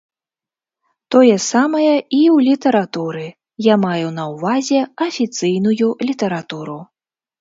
Тое самае і ў літаратуры, я маю на ўвазе афіцыйную літаратуру.